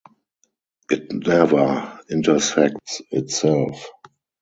It never intersects itself.